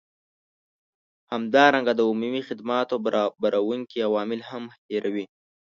همدارنګه د عمومي خدماتو برابروونکي عوامل هم هیروي